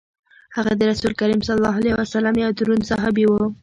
هغه د رسول کریم صلی الله علیه وسلم یو دروند صحابي وو.